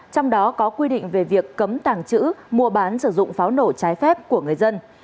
trong đó có quy định về việc cấm tàng trữ mua bán sử dụng pháo nổ trái phép của người dân